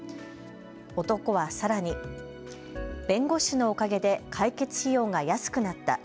男はさらに、弁護士のおかげで解決費用が安くなった。